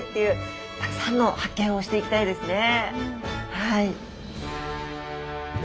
はい。